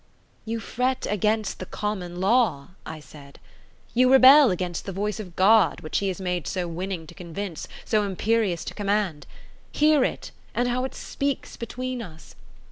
"You fret against the common law," I said. "You rebel against the voice of God, which he has made so winning to convince, so imperious to command. Hear it, and how it speaks between us!